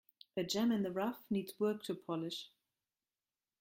A gem in the rough needs work to polish.